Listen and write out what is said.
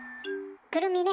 くるみね。